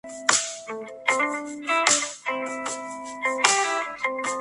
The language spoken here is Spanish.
La catedral alberga una tumba que contiene el corazón de Ricardo Corazón de León.